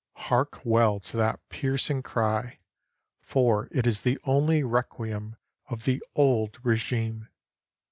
(Hark well to that piercing cry, for it is the only requiem of the old regime!)